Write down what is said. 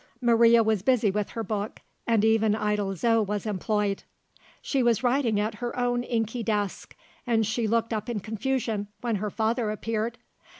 Maria was busy with her book; and even idle Zo was employed! She was writing at her own inky desk; and she looked up in confusion, when her father appeared.